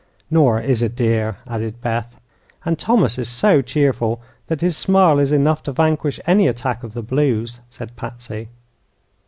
"Nora is a dear," added Beth. "And Thomas is so cheerful that his smile is enough to vanquish any attack of the blues," said Patsy.